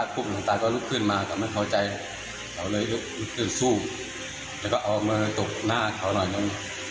เขาเลยรู้สึกหนุดขึ้นสู้แล้วก็เอาเมอะตกหน้าเขาหน่อยหน่อย